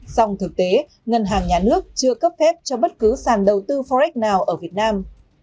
song thực tế ngân hàng nhà nước chưa cấp phép cho bất cứ sàn đầu tư forex nào ở việt nam